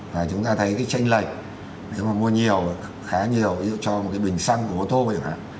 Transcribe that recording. và chúng ta thấy cái tranh lệch nếu mà mua nhiều khá nhiều ví dụ cho một cái bình xăng của ô tô ví dụ hả